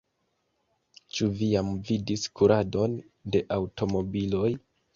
Ĉu vi jam vidis kuradon de aŭtomobiloj?